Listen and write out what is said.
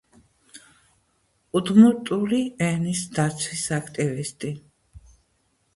უდმურტული ენის დაცვის აქტივისტი.